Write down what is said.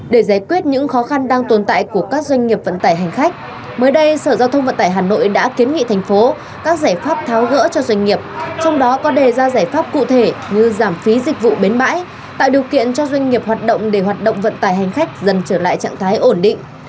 để giải quyết những khó khăn đang tồn tại của các doanh nghiệp vận tải hành khách mới đây sở giao thông vận tải hà nội đã kiến nghị thành phố các giải pháp tháo gỡ cho doanh nghiệp trong đó có đề ra giải pháp cụ thể như giảm phí dịch vụ bến bãi tạo điều kiện cho doanh nghiệp hoạt động để hoạt động vận tải hành khách dần trở lại trạng thái ổn định